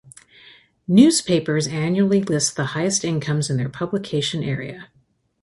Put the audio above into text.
Newspapers annually list the highest incomes in their publication area.